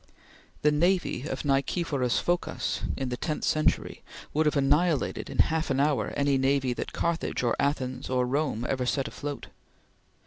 The navy of Nicephoras Phocas in the tenth century would have annihilated in half an hour any navy that Carthage or Athens or Rome ever set afloat.